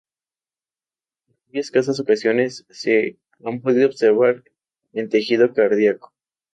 En muy escasas ocasiones se han podido observar en tejido cardíaco.